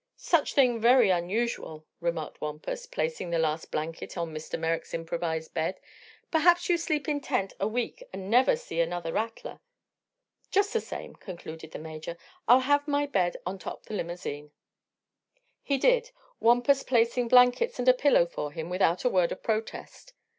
"Such thing very unusual." remarked Wampus, placing the last blanket on Mr. Merrick's improvised bed. "Perhaps you sleep in tent a week an' never see another rattler." "Just the same," concluded the Major, "I'll have my bed on top the limousine." He did, Wampus placing blankets and a pillow for him without a word of protest.